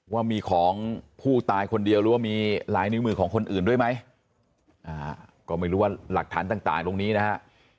ว่ามีของผู้ตายคนเดียวหรือว่ามีลายนิ้วมือของคนอื่นด้วยไหมก็ไม่รู้ว่าหลักฐานต่างตรงนี้นะฮะ